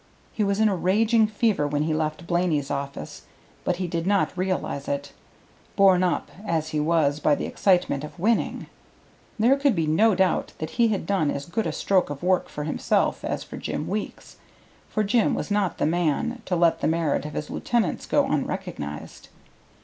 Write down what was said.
He was in a raging fever when he left Blaney's office, but he did not realize it, borne up as he was by the excitement of winning. There could be no doubt that he had done as good a stroke of work for himself as for Jim Weeks, for Jim was not the man to let the merit of his lieutenants go unrecognized.